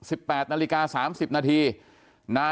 อยู่ดีมาตายแบบเปลือยคาห้องน้ำได้ยังไง